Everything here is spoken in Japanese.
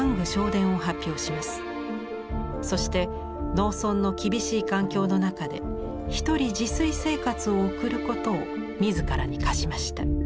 そして農村の厳しい環境の中で一人自炊生活を送ることを自らに課しました。